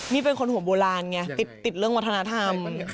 นี่เป็นคนหัวโบราณไงติดเรื่องวัฒนธรรม